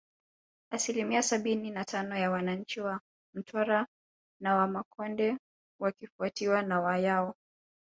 Asilimia sabini na tano ya wananchi wa Mtwara ni Wamakonde wakifuatiwa na Wayao